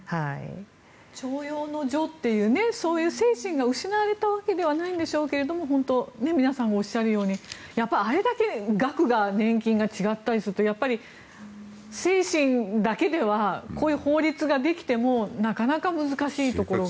長幼の序というそういう精神が失われたわけじゃないんでしょうけど本当に皆さんがおっしゃるようにあれだけ額が年金が違ったりするとやっぱり精神だけではこういう法律ができてもなかなか難しいところが。